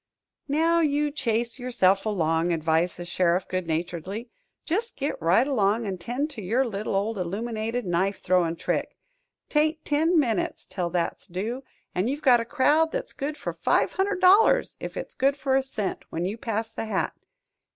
"Now you chase yourself along," advised the sheriff, good naturedly. "Just get right along, an' 'tend to your little old illuminated knife throwin' trick. 'Tain't ten minutes till that's due, an' you've got a crowd that's good for five hundred dollars if it's good for a cent, when you pass the hat.